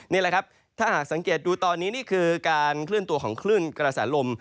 นี่แหละครับถ้าหากสังเกตดูตอนนี้นี่คือการเคลื่อนตัวของคลื่นกระแสลม